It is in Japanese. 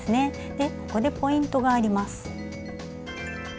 でここでポイントがあります。